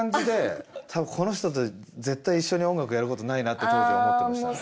多分この人と絶対一緒に音楽やることないなって当時は思ってましたね。